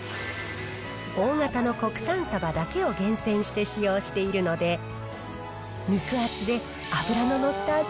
大型の国産サバだけを厳選して使用しているので、肉厚で脂のやったね。